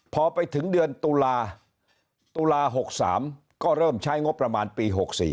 พอไปถึงเดือนตุลาตุลา๖๓ก็เริ่มใช้งบประมาณปี๖๔